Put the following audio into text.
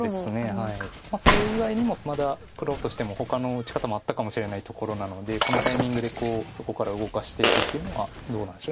それ以外にもまだ黒としてもほかの打ち方もあったかもしれないところなのでこのタイミングでそこから動かしていくっていうのはどうなんでしょう。